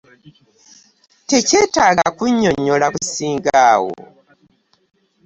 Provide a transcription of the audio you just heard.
Tekyetaaga kunnyonnyola kusinga awo.